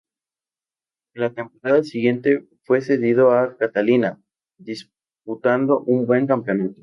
En la temporada siguiente fue cedido al Catania, disputando un buen campeonato.